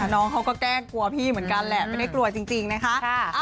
น้องเขาก็แกล้งกลัวพี่เหมือนกันแหละไม่ได้กลัวจริงนะคะ